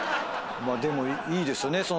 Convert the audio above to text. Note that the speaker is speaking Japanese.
でもいいですよね。